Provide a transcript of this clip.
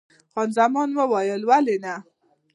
خان زمان وویل: ولې نه؟